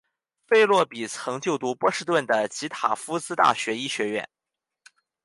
费洛比曾就读波士顿的及塔夫茨大学医学院。